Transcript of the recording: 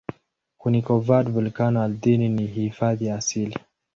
Kuni-covered volkeno ardhini ni hifadhi ya asili.